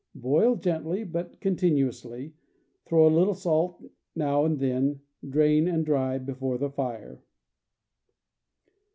Boil gently, but continuously, throw in a little salt now and then, drain, and dry before the fire.